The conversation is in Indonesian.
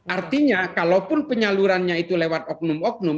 artinya kalaupun penyalurannya itu lewat oknum oknum